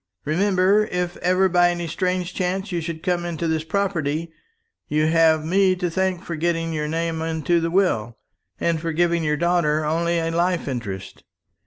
"Remember, if ever by any strange chance you should come into this property, you have me to thank for getting your name into the will, and for giving your daughter only a life interest.